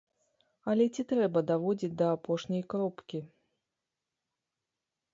Але ці трэба даводзіць да апошняй кропкі?